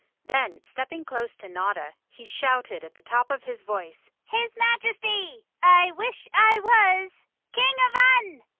Then stepping close to Notta he shouted at the top of his voice, "His Majesty, I wish I was, King of Un!"